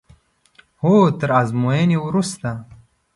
هو تر ازموینې وروسته.